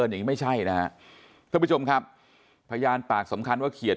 อย่างนี้ไม่ใช่นะฮะท่านผู้ชมครับพยานปากสำคัญว่าเขียน